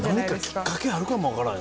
何かきっかけあるかも分からん。